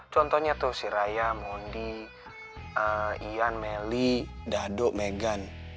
contohnya tuh si raya mundi ian melly dado meganya